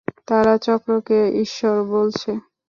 তারা চক্রকে ঈশ্বর বলছে।